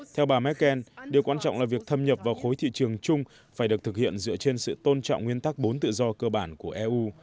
theo bà merkel điều quan trọng là việc thâm nhập vào khối thị trường chung phải được thực hiện dựa trên sự tôn trọng nguyên tắc bốn tự do cơ bản của eu